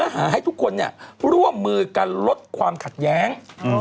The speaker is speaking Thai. หาให้ทุกคนร่วมมือกันลดความขัดแย้ง